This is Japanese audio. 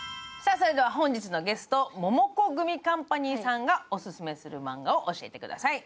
本日のゲスト、モモコグミカンパニーさんがオススメするマンガを教えてください。